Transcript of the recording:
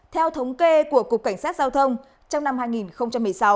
theo thống kê của cục cảnh sát giao thông trong năm hai nghìn một mươi sáu